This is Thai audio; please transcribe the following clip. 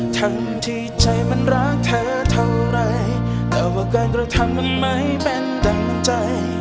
ทั้งที่ใจมันรักเธอเท่าไรแต่ว่าการกระทำมันไม่เป็นดั่งใจ